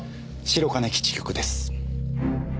白金基地局です。